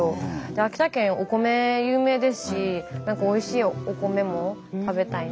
秋田県お米有名ですしなんかおいしいお米も食べたいな。